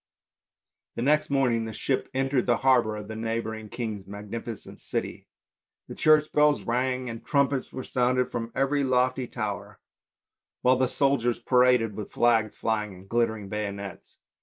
The next morning the ship entered the harbour of the neigh bouring king's magnificent city. The church bells rang and trumpets were sounded from every lofty tower, while the soldiers paraded with flags flying and glittering bayonets.